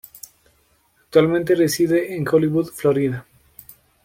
Actualmente reside en Hollywood, Florida.